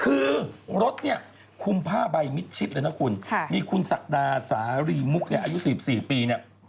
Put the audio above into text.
คือรถเนี่ยคุมผ้าใบมิดชิดเลยนะคุณมีคุณศักดาสารีมุกเนี่ยอายุ๔๔ปีเนี่ย